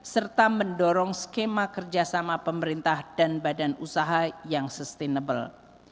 serta mendorong skema kerjasama pemerintah dan badan usaha yang sustainable